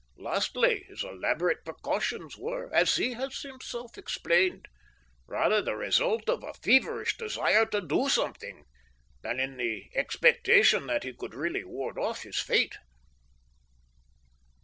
Lastly, his elaborate precautions were, as he has himself explained, rather the result of a feverish desire to do something than in the expectation that he could really ward off his fate.